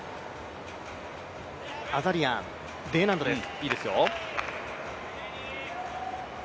アザリアン、Ｄ難度です。